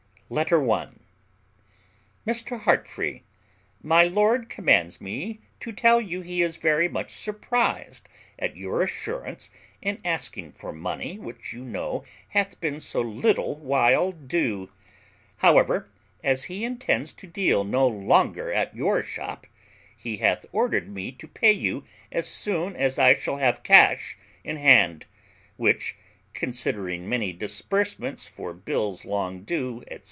LETTER I. MR. HEARTFREE, My lord commands me to tell you he is very much surprized at your assurance in asking for money which you know hath been so little while due; however, as he intends to deal no longer at your shop, he hath ordered me to pay you as soon as I shall have cash in hand, which, considering many disbursements for bills long due, &c.